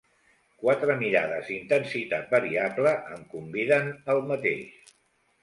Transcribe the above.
Quatre mirades d'intensitat variable em conviden al mateix.